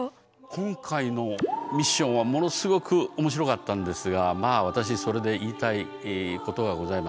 今回のミッションはものすごく面白かったんですがまあ私それで言いたいことがございます。